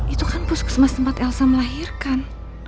itu kan puskesmas tempat elsa melahirkan